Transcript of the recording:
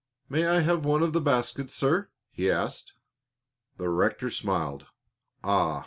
"May I have one of the baskets, sir?" he asked. The rector smiled. "Ah!